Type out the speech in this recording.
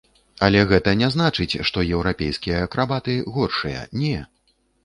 Але гэта не значыць, што еўрапейскія акрабаты горшыя, не!